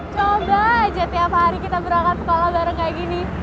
coba aja tiap hari kita berangkat sekolah bareng kayak gini